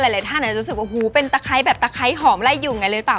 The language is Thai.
หลายท่านอาจจะรู้สึกว่าหูเป็นตะไคร้แบบตะไคร้หอมไล่ยุงกันเลยหรือเปล่า